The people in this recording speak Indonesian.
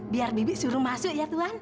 biar bibik suruh masuk ya tuan